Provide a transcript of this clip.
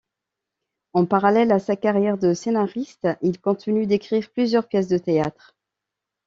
En parallèle à sa carrière de scénariste, il continue d'écrire plusieurs pièces de théâtre.